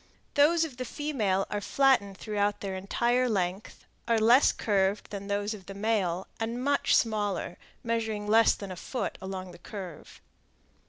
Those of the female are flattened throughout their entire length, are less curved than those of the male, and much smaller, measuring less than a foot along the curve.